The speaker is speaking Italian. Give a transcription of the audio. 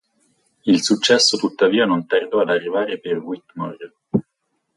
Il successo tuttavia non tardò ad arrivare per Whitmore.